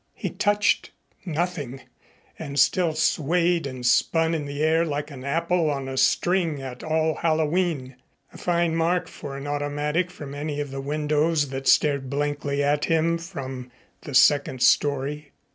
He touched nothing, and still swayed and spun in the air like an apple on a string at All Hallowe'en, a fine mark for an automatic from any of the windows that stared blankly at him from the second story.